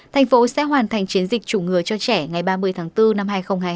thành phố sẽ hoàn thành chiến dịch chủng ngừa cho trẻ ngày ba mươi tháng bốn năm hai nghìn hai mươi